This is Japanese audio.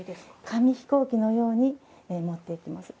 紙飛行機のように持っていきます。